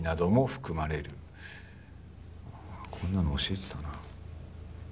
こんなの教えてたな。